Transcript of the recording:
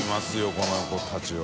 この子たちは。